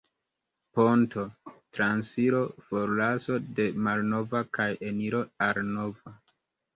Ponto: Transiro, forlaso de malnova kaj eniro al nova.